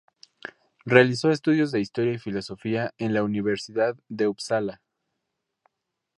Realizó estudios de Historia y Filosofía en la Universidad de Upsala.